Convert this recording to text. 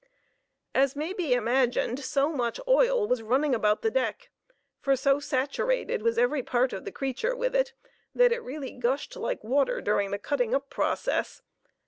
As may be imagined, much oil was running about the deck, for so saturated was every part of the creature with it that it really gushed like water during the cutting up process.